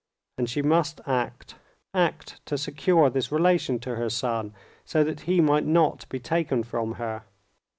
And she must act; act to secure this relation to her son, so that he might not be taken from her.